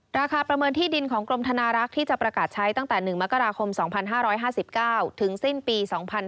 ประเมินที่ดินของกรมธนารักษ์ที่จะประกาศใช้ตั้งแต่๑มกราคม๒๕๕๙ถึงสิ้นปี๒๕๕๙